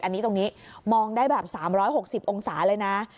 อันนี้ตรงนี้มองได้แบบ๓๖๐องศาเลยนะ